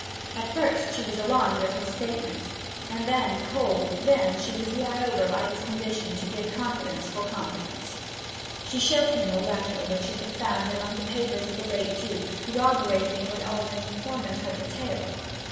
At first she was alarmed at his statement, then cold, then she was won over by his condition to give confidence for confidence. She showed him a letter which had been found among the papers of the late Duke, corroborating what Alwyn's informant had detailed.